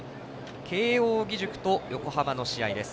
慶応義塾と横浜の試合です。